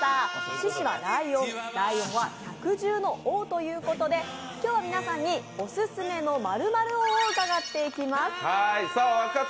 獅子はライオン、ライオンは百獣の王ということで、今日はオススメの○○王を伺っていきます。